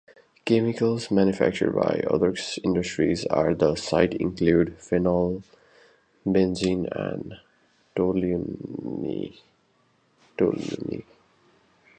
Chemicals manufactured by other industries at the site include phenol, benzene, and toluene.